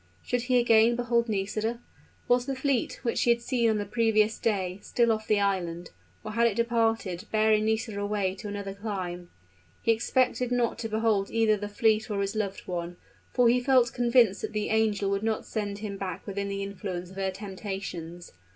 Should he again behold Nisida? Was the fleet, which he had seen on the previous day, still off the island? Or had it departed, bearing Nisida away to another clime? He expected not to behold either the fleet or his loved one; for he felt convinced that the angel would not send him back within the influence of her temptations.